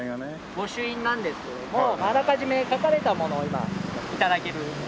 御朱印なんですけどもあらかじめ書かれたものを今頂ける。